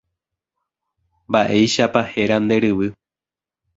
Mba'éichapa héra nde ryvy.